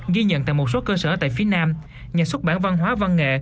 ghi nhận tại một số cơ sở tại phía nam nhà xuất bản văn hóa văn nghệ